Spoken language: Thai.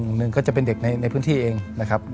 หนึ่งหนึ่งก็จะเป็นเด็กในพื้นที่เองนะครับ